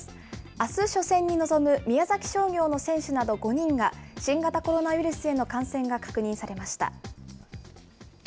あす、初戦に臨む宮崎商業の選手など５人が、新型コロナウイルスへの感染が確認されました。